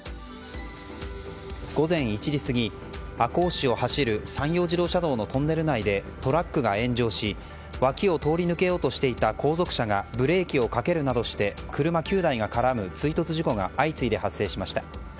午前１時過ぎ、赤穂市を走る山陽自動車道のトンネル内でトラックが炎上し脇を通り抜けようとしていた後続車がブレーキをかけるなどして車９台が絡む追突事故が相次いで発生しました。